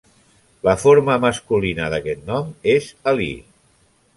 La forma masculina d'aquest nom és Alí.